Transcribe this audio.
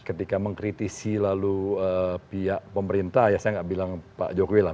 ketika mengkritisi lalu pihak pemerintah ya saya nggak bilang pak jokowi lah